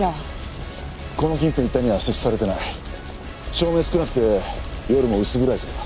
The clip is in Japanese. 照明も少なくて夜も薄暗いそうだ。